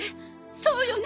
そうよね。